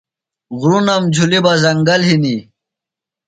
غُرنم جُھلیۡ بہ زنگل ہِنیۡ۔